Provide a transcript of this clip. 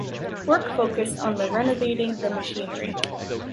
Work focused on the renovating the machinery.